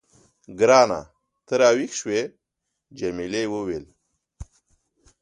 ګرانه، ته راویښ شوې؟ جميلې وويل:.